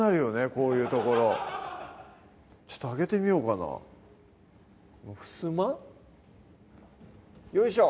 こういう所ちょっと開けてみようかなふすま？よいしょ！